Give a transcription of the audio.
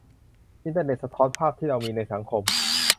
อินเทอร์เน็ตสะท้อนภาพที่เรามีในสังคม